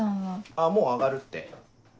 あっもう上がるって。